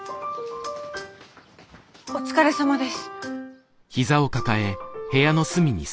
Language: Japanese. お疲れさまです。